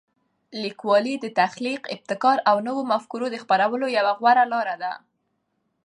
لیکوالی د تخلیق، ابتکار او نوو مفکورو د خپرولو یوه غوره لاره ده.